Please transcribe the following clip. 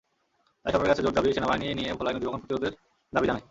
তাই সরকারের কাছে জোর দাবি, সেনাবাহিনী দিয়ে ভোলার নদীভাঙন প্রতিরোধের দাবি জানাই।